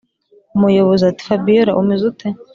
umuyobozi ati”fabiora umeze ute